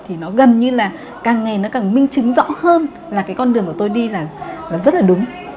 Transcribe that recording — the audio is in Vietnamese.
thì nó gần như là càng ngày nó càng minh chứng rõ hơn là cái con đường của tôi đi là rất là đúng